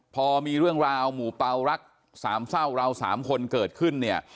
พอมีเรื่องราวหมู่เปารัก๓เศร้าราว๓คนเกิดขึ้น